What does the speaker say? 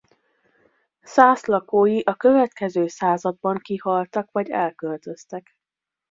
Szász lakói a következő században kihaltak vagy elköltöztek.